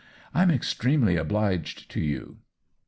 Fm extremely obliged to you."